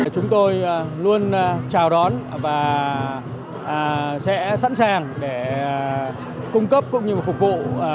chúng tôi luôn chào đón và sẽ sẵn sàng để cung cấp cũng như phục vụ